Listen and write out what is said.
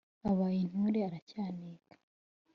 Abaye Intore aracyaneka !".